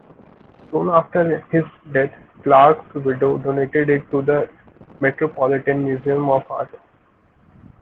Soon after his death, Clark's widow donated it to the Metropolitan Museum of Art.